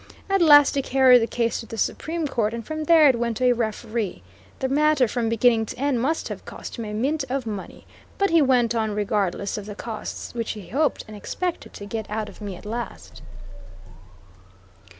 At last he carried the case to the Supreme Court, and from there it went to a referee. The matter from beginning to end, must have cost him a mint of money; but he went on regardless of the costs which he hoped and expected to get out of me at last.